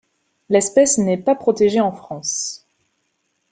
L'espèce n'est pas protégée en France.